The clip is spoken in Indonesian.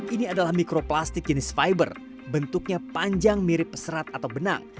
ini adalah mikroplastik jenis fiber bentuknya panjang mirip peserat atau benang